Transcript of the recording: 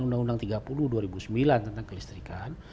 undang undang tiga puluh dua ribu sembilan tentang kelistrikan